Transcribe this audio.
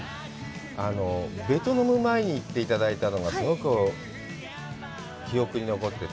ベトナム、前に行っていただいたのがすごく記憶に残ってて。